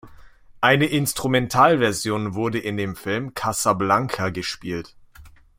Eine Instrumentalversion wurde in dem Film "Casablanca" gespielt.